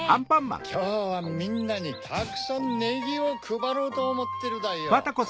きょうはみんなにたくさんネギをくばろうとおもってるだよ。